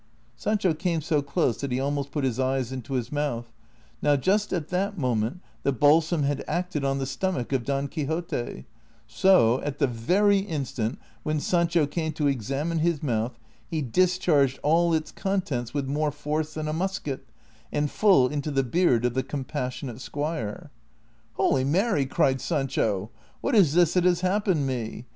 Sancho came so close that he almost put his eyes into his mouth ; now just at that moment the balsam had acted on the stomach of Don Quixote, so, at the very instant when Sancho came to examine his mouth, he discharged all its contents with more force than a musket, and full into the beard of the com passionate squire. " Holy Mary !" cried Sancho, " what is this that has hap pened me